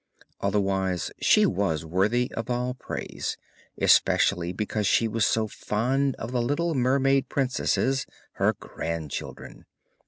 Otherwise she was worthy of all praise, especially because she was so fond of the little mermaid princesses, her grandchildren.